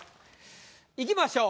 いきましょう。